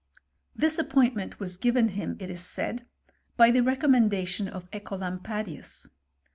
This appointment was given him, it is said, by the recommendation of (Ecolampadius.